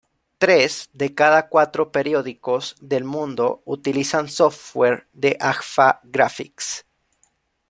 Tres de cada cuatro periódicos del mundo utilizan software de Agfa Graphics.